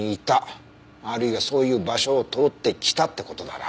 あるいはそういう場所を通ってきたって事だな。